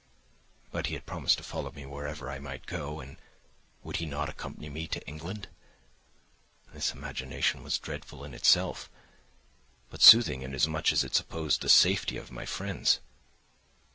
But he had promised to follow me wherever I might go, and would he not accompany me to England? This imagination was dreadful in itself, but soothing inasmuch as it supposed the safety of my friends.